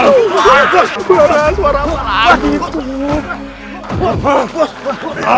marah suara apa lagi itu